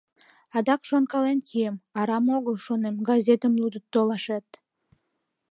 Адак шонкален кием: арам огыл, шонем, газетым лудын толашет.